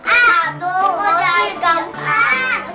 aduh kok jangan diganteng